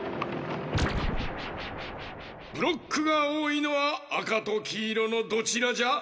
ブロックがおおいのはあかときいろのどちらじゃ？